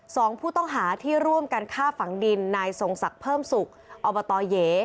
สองผู้ต้องหาที่ร่วมกันฆ่าฝังดินนายทรงศักดิ์เพิ่มสุขอบตเหย